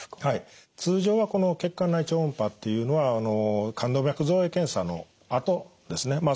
はい通常はこの血管内超音波っていうのは冠動脈造影検査のあとですね。